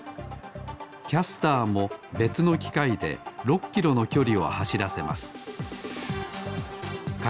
キャスターもべつのきかいで６キロのきょりをはしらせます。か